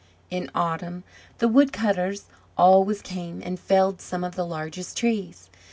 In autumn the wood cutters always came and felled some of the largest trees.